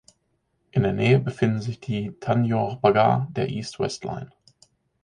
In der Nähe befinden sich die Tanjong Pagar der East West Line.